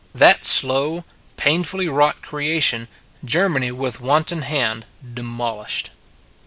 That slow, painfully wrought creation, Germany with wanton hand demolished.